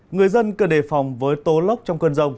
người dân cần đề phòng với tố lốc trong cơn rông